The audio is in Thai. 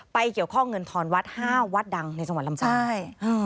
ไปเกี่ยวข้องเงินทรวัตต์๕วัตต์ดังในจังหวัดลำปาก